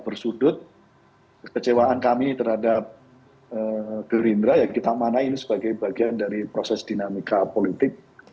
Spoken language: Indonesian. bersudut kecewaan kami terhadap gerindra ya kita manain sebagai bagian dari proses dinamika politik